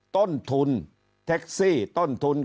ต้นทุนแท็กซี่ต้นทุน